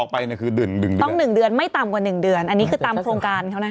ภูมิต่ำคือตามโครงการ